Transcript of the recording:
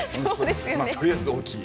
まあとりあえず大きい。